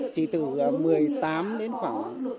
chỉ từ một mươi tám đến khoảng